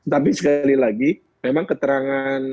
tapi sekali lagi memang keterangan